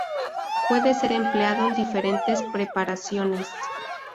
Puede ser empleado en diferentes preparaciones.